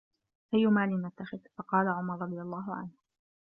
أَيُّ مَالٍ نَتَّخِذُ ؟ فَقَالَ عُمَرُ رَضِيَ اللَّهُ عَنْهُ